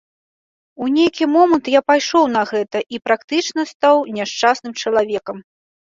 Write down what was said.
У нейкі момант я пайшоў на гэта і практычна стаў няшчасным чалавекам.